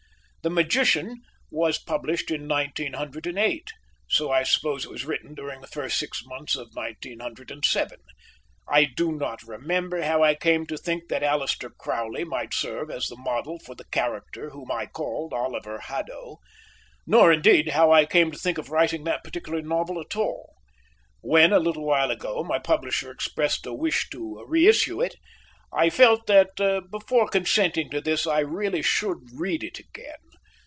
The Magician was published in 1908, so I suppose it was written during the first six months of 1907. I do not remember how I came to think that Aleister Crowley might serve as the model for the character whom I called Oliver Haddo; nor, indeed, how I came to think of writing that particular novel at all. When, a little while ago, my publisher expressed a wish to reissue it, I felt that, before consenting to this, I really should read it again.